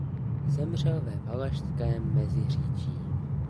Zemřel ve Valašském Meziříčí.